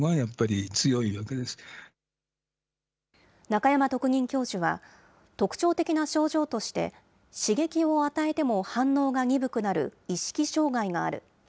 中山特任教授は、特徴的な症状として、刺激を与えても反応が鈍くなる意識障害がある。